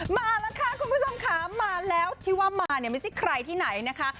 มาแล้วค่ะคุณผู้ชมค่ะมาแล้วที่ว่ามาเนี่ยไม่ใช่ใครที่ไหนนะคะ